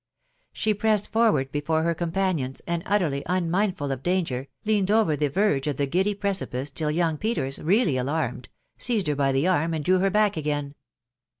She pressed forward before her companions, and, utterly unmindful of danger, leaned over the verge of the giddy precipice till young Peters, really alarmed, seized her by the arm and drew her back again.